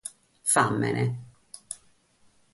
Fàmene.